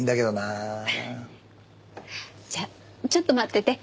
じゃあちょっと待ってて。